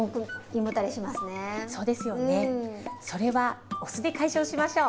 それはお酢で解消しましょう。